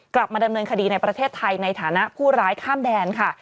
กลับมาดำเนินคดีในประเทศไทยในฐานะผู้ร้ายข้ามแดนค่ะ